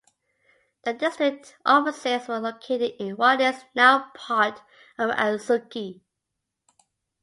The district offices were located in what is now part of Atsugi.